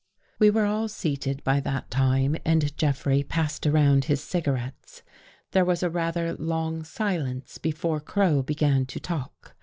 We were all seated by that time and Jeffrey passed around his cigarettes. There was a rather long silence before Crow began to talk.